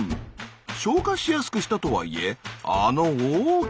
消化しやすくしたとはいえあの大きな体。